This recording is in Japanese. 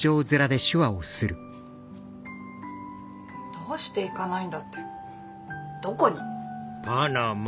どうして行かないんだってどこに？